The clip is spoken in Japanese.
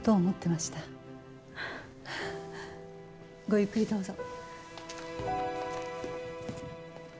ごゆっくりどうぞ。